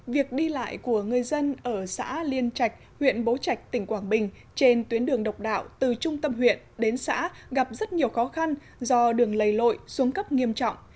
việc đi lại của người dân ở xã liên trạch huyện bố trạch tỉnh quảng bình trên tuyến đường độc đạo từ trung tâm huyện đến xã gặp rất nhiều khó khăn do đường lầy lội xuống cấp nghiêm trọng